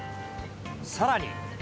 さらに。